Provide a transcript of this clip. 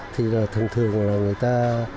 thì thường thường là người ta